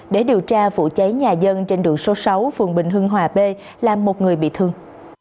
để điều tra vụ cháy nhà dân trên đường số sáu phường bình hưng hòa b làm một người bị thương